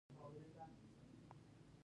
یو ورځنۍ بازۍ چټکي يي.